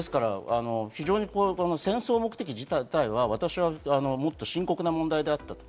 ですから戦争目的自体は私をもっと深刻な問題だったと。